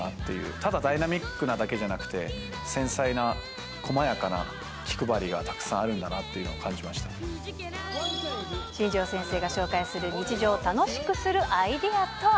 ただダイナミックなだけじゃなくて、繊細な細やかな気配りがたくさんあるんだなっていうのを感じまし新庄先生が紹介する日常を楽しくするアイデアとは。